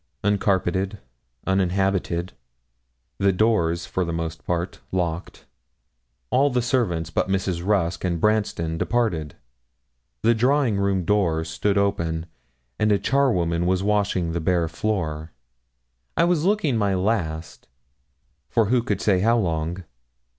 Uncarpeted, uninhabited, doors for the most part locked, all the servants but Mrs. Rusk and Branston departed. The drawing room door stood open, and a charwoman was washing the bare floor. I was looking my last for who could say how long?